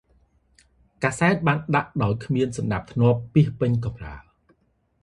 កាសែតបានដាក់ដោយគ្មានសណ្តាប់ធ្នាប់ពាសពេញកំរាល ។